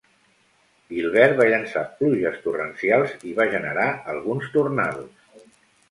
Gilbert va llençar pluges torrencials i va generar alguns tornados.